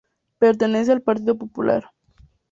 Pertenece al Partido Popular.